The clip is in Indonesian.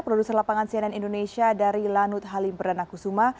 produser lapangan cnn indonesia dari lanut halimra dan kusuma